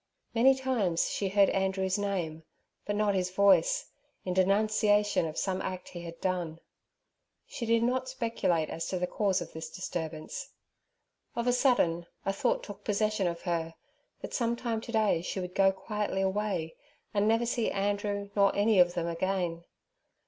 Many times she heard Andrew's name, but not his voice, in denunciation of some act he had done. She did not speculate as to the cause of this disturbance. Of a sudden a thought took possession of her, that some time to day she would go quietly away and never see Andrew nor any of them again.